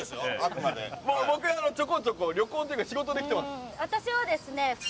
僕ちょこちょこ旅行というか仕事で来てます。